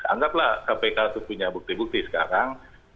anggaplah kpk itu punya bukti bukti sekarang